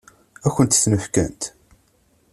Ad kent-ten-fkent?